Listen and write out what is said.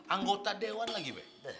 anggota dewan lagi be